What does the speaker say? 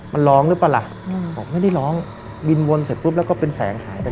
มันร้องหรือเปล่าล่ะบอกไม่ได้ร้องบินวนเสร็จปุ๊บแล้วก็เป็นแสงหายไป